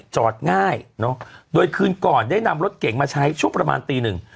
จอดง่ายเนอะโดยคืนก่อนได้นำรถเก่งมาใช้ช่วงประมาณตีหนึ่ง